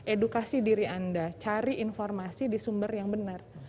edukasi diri anda cari informasi di sumber yang benar